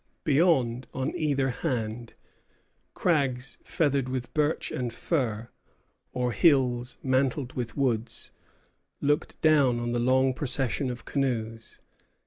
Beyond, on either hand, crags feathered with birch and fir, or hills mantled with woods, looked down on the long procession of canoes.